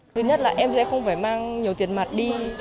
thứ nhất là em sẽ không phải mang nhiều tiền mặt đi